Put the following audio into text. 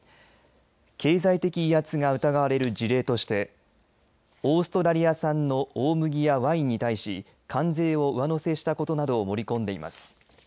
経済的威圧が疑われる事例としてオーストラリア産の大麦やワインに対し関税を上乗せしたことなどを盛り込んでいます。